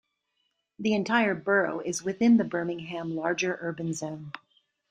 The entire borough is within the Birmingham Larger Urban Zone.